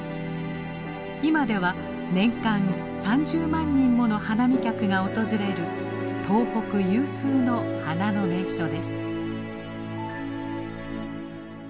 今では年間３０万人もの花見客が訪れる東北有数の花の名所です。